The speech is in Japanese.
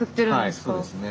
はいそうですね。